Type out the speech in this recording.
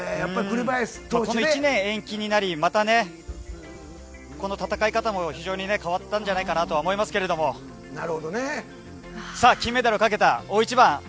１年延期になり、戦い方も非常に変わったんじゃないかなと思いますけれど、金メダルを懸けた大一番。